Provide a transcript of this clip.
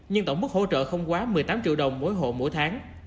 nhưng tổng mức hỗ trợ không quá một mươi tám triệu đồng mỗi hộ mỗi tháng